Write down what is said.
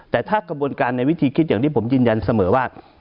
แต่ถ้ากระบวนการในวิธีคิดอย่างที่ผมยืนยันเสมอว่า